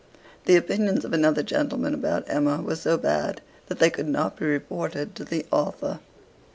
The opinions of another gentleman about 'Emma' were so bad that they could not be reported to the author.